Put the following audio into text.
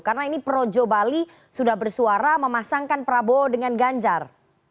karena ini projo bali sudah bersuara memasangkan prabowo dengan ganjar